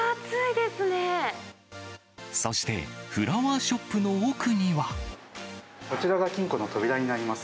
そして、フラワーショップのこちらが金庫の扉になります。